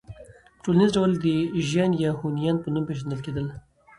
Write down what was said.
په ټوليز ډول د ژيان يا هونيانو په نوم پېژندل کېدل